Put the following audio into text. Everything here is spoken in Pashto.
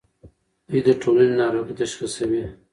دوی د ټولنې ناروغۍ تشخیصوي.